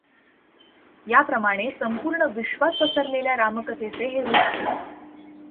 याप्रमाणे संपूर्ण विश्वात पसरलेल्या रामकथेचे हे रूप आहे.